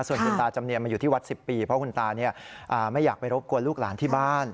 ส่วนคุณตาจำเนียนมาอยู่ที่วัด๑๐ปีเพราะคุณตาไม่อยากไปรบกวนลูกหลานที่บ้าน